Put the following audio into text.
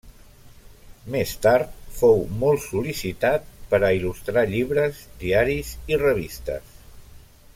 Més tard fou molt sol·licitat per a il·lustrar llibres, diaris i revistes.